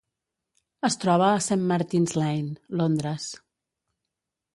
Es troba a Saint Martin's Lane, Londres.